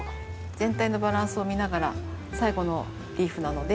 全体のバランスを見ながら最後のリーフなので。